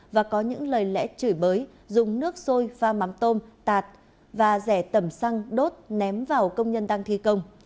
và có những lời lẽ chửi bới dùng nước sôi pha mắm tôm tạt và rẻ tẩm xăng đốt ném vào công nhân đang thi công